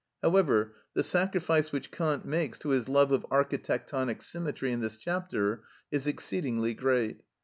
However, the sacrifice which Kant makes to his love of architectonic symmetry in this chapter is exceedingly great.